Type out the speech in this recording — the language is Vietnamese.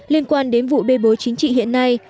liên quan đến vụ bê bối chính trị hiện nay